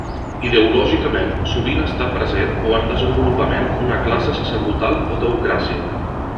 Ideològicament sovint està present o en desenvolupament una classe sacerdotal o teocràcia.